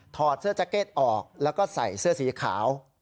อดเสื้อแจ็คเก็ตออกแล้วก็ใส่เสื้อสีขาว